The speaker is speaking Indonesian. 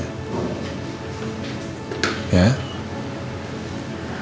aku pastikan perintahkan mereka semuanya